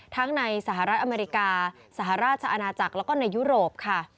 ในสหรัฐอเมริกาสหราชอาณาจักรแล้วก็ในยุโรปค่ะ